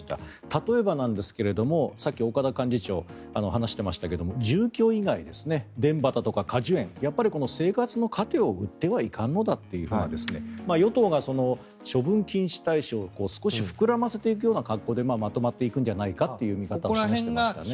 例えばなんですが、さっき岡田幹事長、話してましたが住居以外田畑とか果樹園やっぱり生活の糧を売ってはいかんのだと与党が処分禁止対象を少し膨らませるような格好でまとまっていくんじゃないかという見方をしていましたね。